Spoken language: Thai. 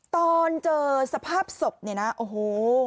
ตอนเจอสภาพศพเนี่ยนะโอ้โห